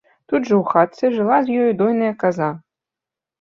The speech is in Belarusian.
Тут жа ў хатцы жыла з ёю дойная каза.